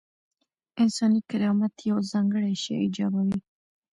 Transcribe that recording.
انساني کرامت یو ځانګړی شی ایجابوي.